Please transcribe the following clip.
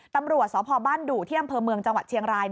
ตำรวจสพบ้านดุที่อำเภอเมืองจังหวัดเชียงราย